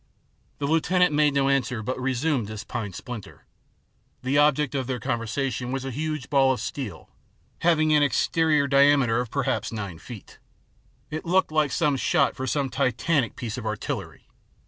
The lieutenant made no answer, but resumed his pine splinter. The object of their conversation was a huge ball of steel, having an exterior diameter of 71 72 THE PLATTNER STORY AND OTHERS perhaps nine feet. It looked like the shot for some Titanic piece of artillery.